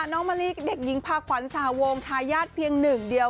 น้องมะลิเด็กหญิงพาขวัญสาวงทายาทเพียงหนึ่งเดียว